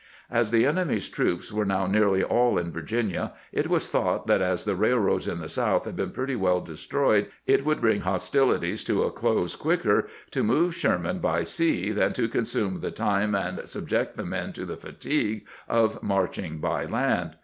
As the enemy's troops were now nearly all in Virginia, it was thought that as the railroads in the South had been pretty well destroyed, it would bring hostilities to a close quicker to move Sherman by sea than to consume the time and subject the men to the fatigue of marching by land.